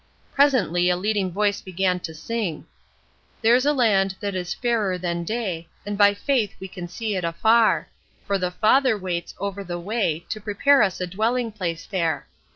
Presently a leading voice began to sing: "There's a land that is fairer than day, And by faith we can see it afar; For the Father waits over the way To prepare us a dwelling place there.